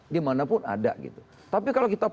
dimanapun ada gitu tapi kalau kita